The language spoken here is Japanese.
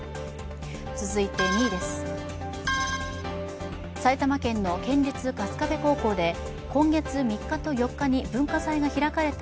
続いて２位です、埼玉県の県立春日部高校で今月３日と４日に文化祭が開かれた